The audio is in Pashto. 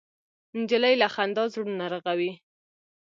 نجلۍ له خندا زړونه رغوي.